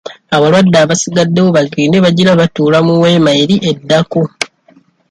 Abalwadde abasigaddewo bagende bagira batuula mu weema eri eddako.